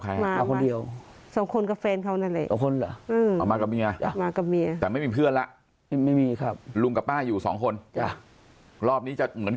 ค่ะก็เตี๋ยวเรือครับเตี๋ยวเรือข้างด้านหลัง